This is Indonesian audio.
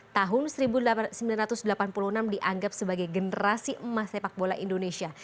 tahun seribu sembilan ratus delapan puluh enam dianggap sebagai generasi emas sepak bola indonesia